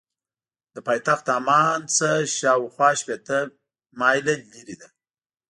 له پایتخت عمان نه شاخوا شپېته مایله لرې ده.